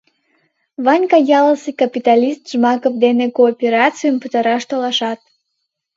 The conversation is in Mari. Ванька ялысе капиталист Жмаков дене кооперацийым пытараш толашат.